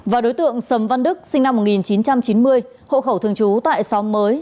và đối tượng sầm văn đức sinh năm một nghìn chín trăm chín mươi hộ khẩu thường trú tại xóm mới